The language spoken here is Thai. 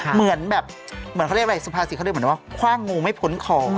เหมือนแบบเหมือนเขาเรียกอะไรสุภาษีเขาเรียกเหมือนว่าคว่างงูไม่พ้นคอ